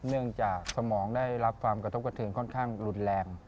เนื่องจากสมองได้รับความกระทบกระเทืองค่อนข้างรุนแรง